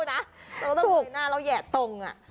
เราต้องเงยหน้าเราแหยะตรง